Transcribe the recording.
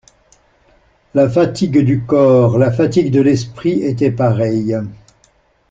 La fatigue du corps, la fatigue de l'esprit étaient pareilles.